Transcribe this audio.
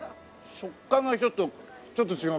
食感がちょっとちょっと違う感じ。